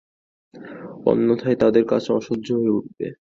অন্যথায় তাদের কাজটা অসহ্য হয়ে উঠবে।